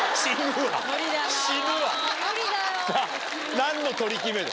何の取り決めだ。